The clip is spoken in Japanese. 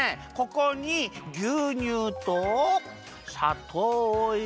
ここにぎゅうにゅうとさとうをいれて。